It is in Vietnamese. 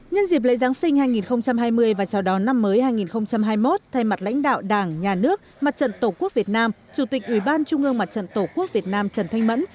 nhân dịp lễ giáng sinh hai nghìn hai mươi và chào đón năm mới hai nghìn hai mươi một thay mặt lãnh đạo đảng nhà nước mặt trận tổ quốc việt nam chủ tịch ủy ban trung ương mặt trận tổ quốc việt nam trần thanh mẫn